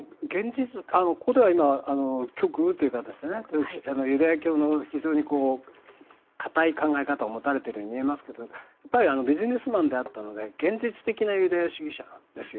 ここでは今極右という形でユダヤ教の非常に堅い考え方を持たれているように見えますがビジネスマンであったので現実的なユダヤ主義者ですよ。